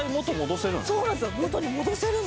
そうなんですよ